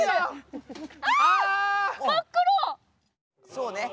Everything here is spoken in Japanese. そうね。